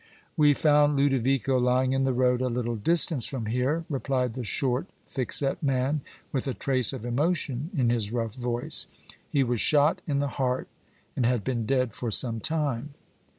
"We found Ludovico lying in the road a little distance from here," replied the short, thick set man, with a trace of emotion in his rough voice. "He was shot in the heart and had been dead for some time."